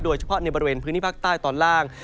โดยเฉพาะในบริเวณพื้นที่ภาคใต้ตอนล่าง